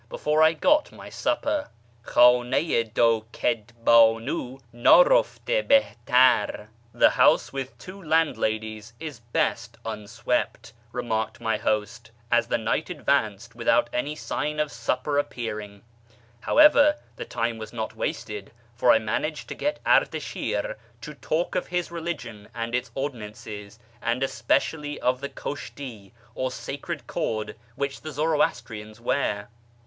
before I got my supper. " K]idn4 i du ked hdnii iid ruft6 hihtar "(" The house with two landladies is best unswept "), remarked my host, as the night advanced without my sign of supper appearing. However, the time was not vvasted, for I managed to get Ardashir to talk of his religion md its ordinances, and especially of the kushti or sacred cord .vhich the Zoroastrians wear.